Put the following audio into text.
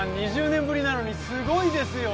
２０年ぶりなのにすごいですよ